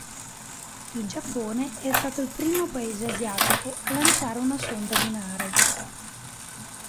Il Giappone è stato il primo paese asiatico a lanciare una sonda lunare.